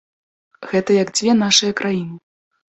Гэта як дзве нашыя краіны.